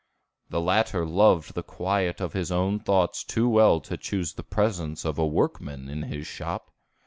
The latter loved the quiet of his own thoughts too well to choose the presence of a workman in his shop.